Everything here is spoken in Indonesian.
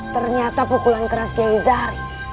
ternyata pukulan keras giaizari